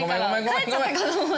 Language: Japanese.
帰っちゃったかと思った！